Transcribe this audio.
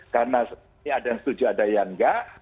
karena ada yang setuju ada yang enggak